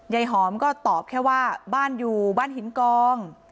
หอมก็ตอบแค่ว่าบ้านอยู่บ้านหินกอง